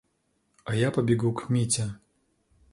А я побегу к Мите.